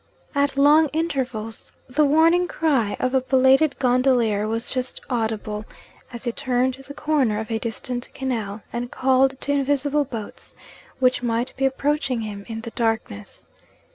At long intervals, the warning cry of a belated gondolier was just audible, as he turned the corner of a distant canal, and called to invisible boats which might be approaching him in the darkness.